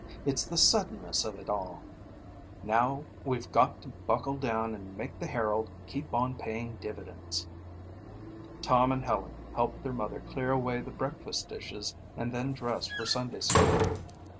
"It's the suddenness of it all. Now we've got to buckle down and make the Herald keep on paying dividends." Tom and Helen helped their mother clear away the breakfast dishes and then dressed for Sunday school. Mrs.